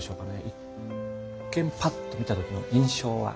一見パッと見た時の印象は？